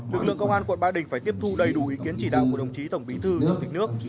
lực lượng công an quận ba đình phải tiếp thu đầy đủ ý kiến chỉ đạo của đồng chí tổng bí thư chủ tịch nước